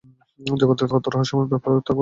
জগতে কত রহস্যময় ব্যাপারই তো ঘটে।